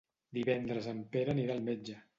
Divendres en Pere anirà al metge.